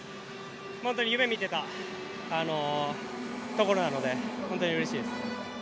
本当に夢見ていたところなので本当にうれしいです。